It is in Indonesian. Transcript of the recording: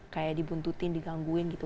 kayak dibuntutin digangguin gitu